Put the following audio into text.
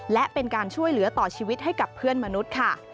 และเป็นการช่วยเหลือต่อชีวิตให้กับเพื่อนมนุษย์ค่ะ